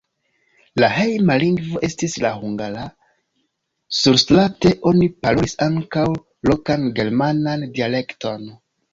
La hejma lingvo estis la hungara, surstrate oni parolis ankaŭ lokan germanan dialekton.